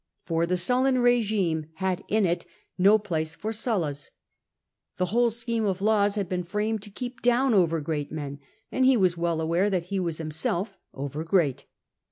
For the Sullan regime had in it no place for Sullas. The whole scheme of laws had been framed to keep down over great men, and he was well aware that he was himself over great.